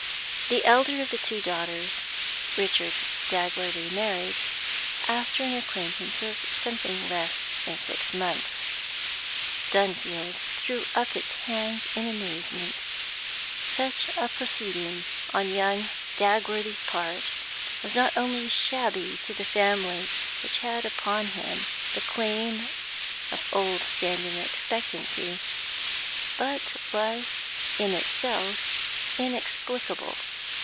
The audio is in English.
The elder of the two daughters Richard Dagworthy married, after an acquaintance of something less than six months. Dunfield threw up its hands in amazement: such a proceeding on young Dagworthy's part was not only shabby to the families which had upon him the claim of old standing expectancy, but was in itself inexplicable.